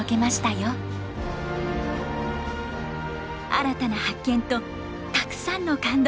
新たな発見とたくさんの感動